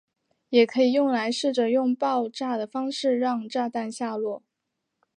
也可以用来试着用爆炸的方式让炸弹下落。